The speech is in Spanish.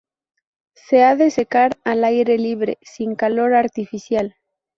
Se ha de secar al aire libre sin calor artificial.